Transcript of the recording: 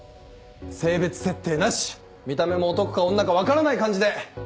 性別設定なし見た目も男か女か分からない感じで。